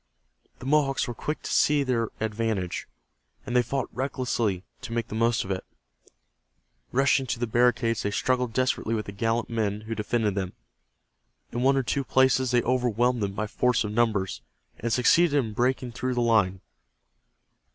The Mohawks were quick to see their advantage, and they fought recklessly to make the most of it. Rushing to the barricades they struggled desperately with the gallant men who defended them. In one or two places they overwhelmed them by force of numbers, and succeeded in breaking through the line.